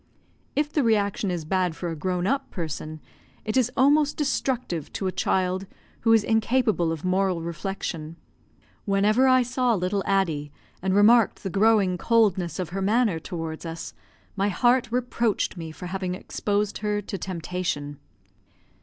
If the re action is bad for a grown up person, it is almost destructive to a child who is incapable of moral reflection. Whenever I saw little Addie, and remarked the growing coldness of her manner towards us, my heart reproached me for having exposed her to temptation.